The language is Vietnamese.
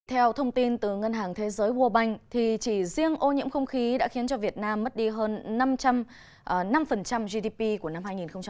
theo thông tin từ ngân hàng thế giới world bank chỉ riêng ô nhiễm không khí đã khiến cho việt nam mất đi hơn năm gdp của năm hai nghìn một mươi ba